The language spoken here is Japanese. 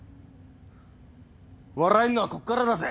笑えんのはこっからだぜ。